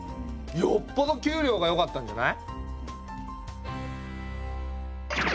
よっぽど給料がよかったんじゃない？